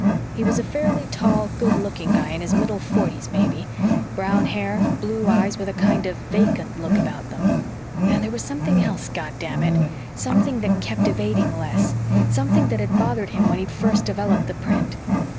He was a fairly tall, good looking guy in his middle forties maybe brown hair, blue eyes with a kind of vacant look about them. And there was something else, goddamn it; something that kept evading Les; something that had bothered him when he'd first developed the print.